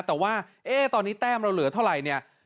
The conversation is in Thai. แต่ว่าตอนนี้แต้มเราเหลือเท่าไหร่เนี่ย